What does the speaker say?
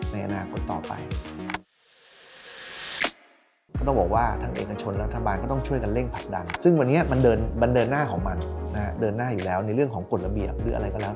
มันเดินหน้าของมันเดินหน้าอยู่แล้วในเรื่องของกฎระเบียบหรืออะไรก็แล้ว